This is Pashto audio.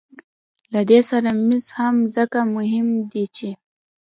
له دې سره مس هم ځکه مهم دي چې